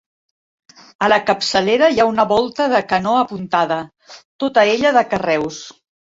A la capçalera hi ha una volta de canó apuntada, tota ella de carreus.